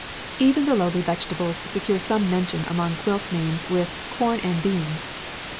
Even the lowly vegetables secure some mention among quilt names with "Corn and Beans."